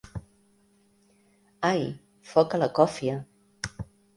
Ai, foc a la còfia!